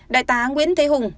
đại tá nguyễn thế hùng